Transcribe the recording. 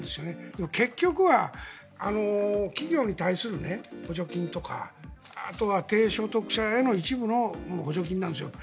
でも結局は企業に対する補助金とかあとは低所得者への一部の補助金なんですよ。